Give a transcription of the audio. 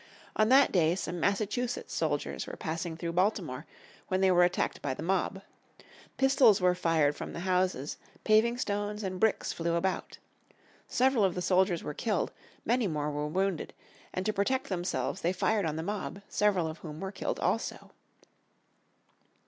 On that day, 19th April, 1861, some Massachusetts soldiers were passing through Baltimore, when they were attacked by the mob. Pistols were fired from the houses, paving stones and bricks flew about. Several of the soldiers were killed, many more were wounded; and to protect themselves they fired on the mob, several of whom were killed also.